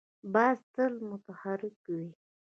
باز تل متحرک وي